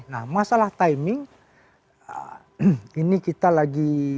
nah masalah timing ini kita lagi